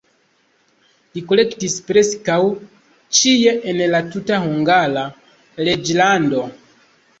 Li kolektis preskaŭ ĉie en la tuta Hungara reĝlando.